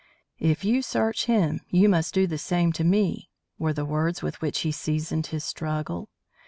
"If you search him, you must do the same to me," were the words with which he seasoned this struggle.